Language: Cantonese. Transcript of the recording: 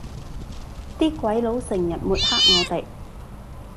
啲鬼佬成日抹黑我哋